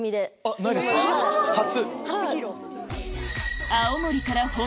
初。